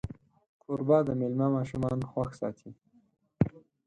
کوربه د میلمه ماشومان خوښ ساتي.